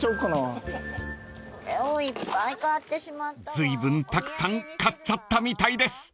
［ずいぶんたくさん買っちゃったみたいです］